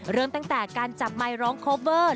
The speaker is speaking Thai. เริ่มตั้งแต่การจับไมค์ร้องโคเวอร์